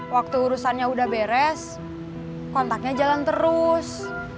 waktu urusannya udah beres kontaknya jalan terus